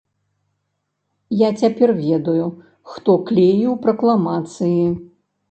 Я цяпер ведаю, хто клеіў пракламацыі!